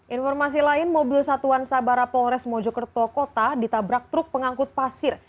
informasi lain mobil satuan sabara polres mojokerto kota ditabrak truk pengangkut pasir